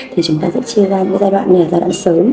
thì chúng ta sẽ chia ra những cái giai đoạn này là giai đoạn sớm